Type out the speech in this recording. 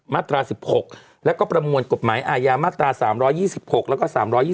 มาตรา๑๖แล้วก็ประมวลกฎหมายอาญามาตรา๓๒๖แล้วก็๓๒